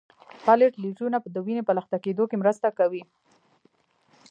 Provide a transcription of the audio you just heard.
پلیټلیټونه د وینې په لخته کیدو کې مرسته کوي